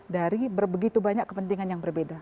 dari begitu banyak kepentingan yang berbeda